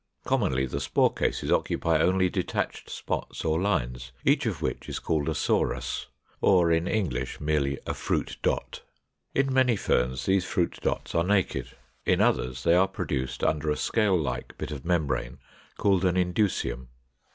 Commonly the spore cases occupy only detached spots or lines, each of which is called a SORUS, or in English merely a Fruit dot. In many Ferns these fruit dots are naked; in others they are produced under a scale like bit of membrane, called an INDUSIUM.